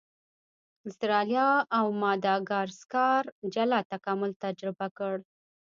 استرالیا او ماداګاسکار جلا تکامل تجربه کړ.